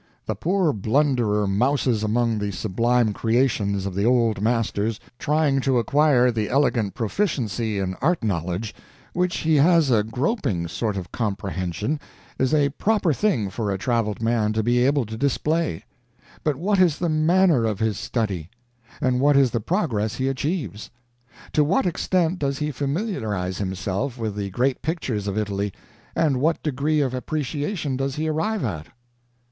The poor blunderer mouses among the sublime creations of the Old Masters, trying to acquire the elegant proficiency in art knowledge, which he has a groping sort of comprehension is a proper thing for a traveled man to be able to display. But what is the manner of his study? And what is the progress he achieves? To what extent does he familiarize himself with the great pictures of Italy, and what degree of appreciation does he arrive at?